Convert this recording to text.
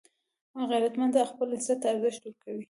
غیرتمند خپل عزت ته ارزښت ورکوي